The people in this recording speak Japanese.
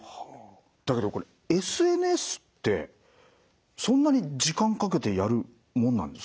だけどこれＳＮＳってそんなに時間かけてやるもんなんですか？